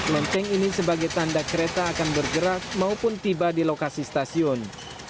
lempeng ini sebagai tanda kereta akan bergerak maupun tiba di lokasi stasiun